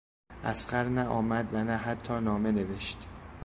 اصغر نه آمد و نه حتی نامه نوشت.